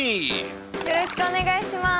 よろしくお願いします。